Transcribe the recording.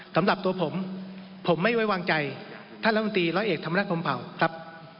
สำหรับตัวผมผมไม่ไว้วางใจท่านร้อยเอกธรรมนัฐพงภาวครับ